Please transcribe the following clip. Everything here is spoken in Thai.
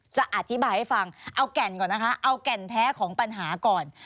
จะอธิบายให้ฟังเอาแก่นแท้ของปัญหาก่อน